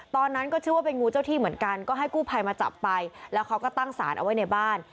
ตอนนั้นก็เชื่อว่าเป็นงูเจ้าที่เหมือนกันก็ให้กู้ภัยมาจับไปแล้วเขาก็ตั้งสารเอาไว้ในบ้าน